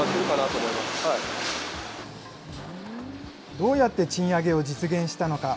どうやって賃上げを実現したのか。